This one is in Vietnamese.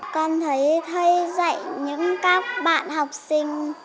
con thấy thầy dạy những các bạn học sinh